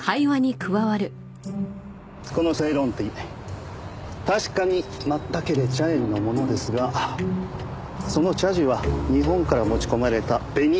このセイロンティー確かにマッタケレ茶園のものですがその茶樹は日本から持ち込まれた紅富貴だ。